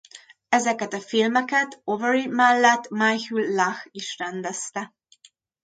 Ezeket a filmeket Avery mellett Michael Lah is rendezte.